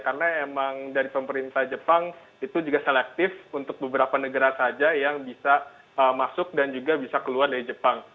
karena memang dari pemerintah jepang itu juga selektif untuk beberapa negara saja yang bisa masuk dan juga bisa keluar dari jepang